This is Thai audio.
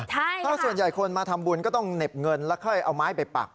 เพราะส่วนใหญ่คนมาทำบุญก็ต้องเหน็บเงินแล้วค่อยเอาไม้ไปปัก